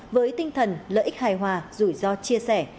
với tinh thần lợi ích hài hòa rủi ro chia sẻ